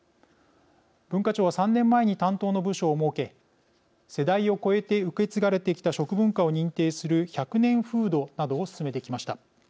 文化庁は３年前に担当の部署を設け世代を超えて受け継がれてきた食文化を認定する１００年フードなどを進めてきました。